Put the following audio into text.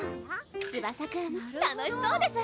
ツバサくん楽しそうです！